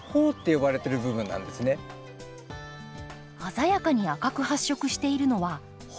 鮮やかに赤く発色しているのは苞。